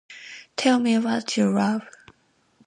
Tell me what you love.